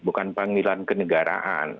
bukan panggilan kenegaraan